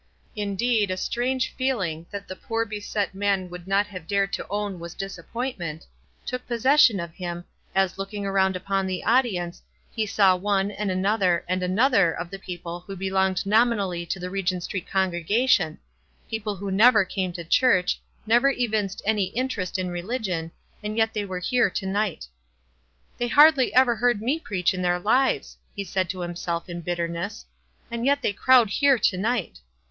Indeed, a strange feeling, that the poor self beset man would not 330 WISE AND OTHERWISE. have dared to own was disappointment, took possession of him, as looking around upon the audience, ho saw ne, and another, and another of the people who belonged nominally to the Regent Street congregation — people who never came to church, never evinced any interest in re ligion, and yet they were here to night. "They hardly ever heard me preach in their lives," he said to himself, in bitterness, "and yet they crowd here to night